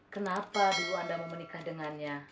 kenapa dulu anda mau menikah dengannya